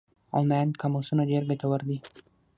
آنلاین قاموسونه ډېر ګټور دي.